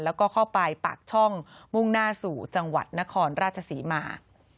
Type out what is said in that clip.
แล้วก็เข้าไปปากช่องมุ่งหน้าสู่จังหวัดนครราชศรีมา